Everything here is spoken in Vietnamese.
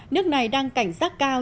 nước này đang cảnh giác cao